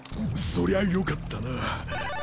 そりゃあよかったな！